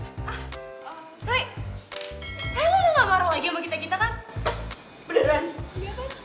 rugih kali kalau misalkan gue marah sama kalian semua